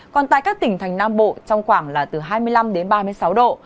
còn tại các tỉnh thành nam bộ trong khoảng là từ hai mươi năm đến ba mươi sáu độ